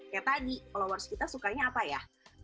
kayak tadi followers kita sukanya apa ya